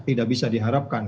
tidak bisa diharapkan